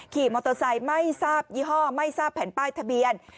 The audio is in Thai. ขี่มอเตอร์ไซค์ไม่ทราบยี่ห้อไม่ทราบแผ่นป้ายทะเบียน